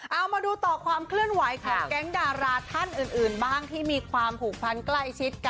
เอามาดูต่อความเคลื่อนไหวของแก๊งดาราท่านอื่นบ้างที่มีความผูกพันใกล้ชิดกัน